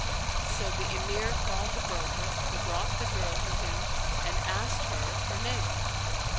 So the Emir called the broker, who brought the girl to him and asked her her name.